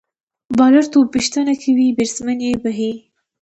بالر توپ ویشتنه کوي، بیټسمېن يې وهي.